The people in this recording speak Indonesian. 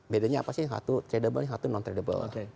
bedanya apa sih satu tradable yang satu non tradable